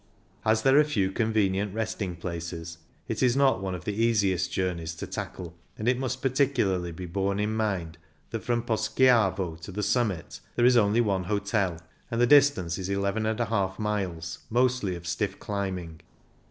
As there are few con venient resting places, it is not one of the easiest journeys to tackle, and it must par ticularly be borne in mind that from Pos chiavo to the summit there is only one hotel, and the distance is 1 1| miles, mostly of stiff climbing.